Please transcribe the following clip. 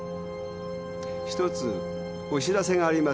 ひとつお知らせがあります。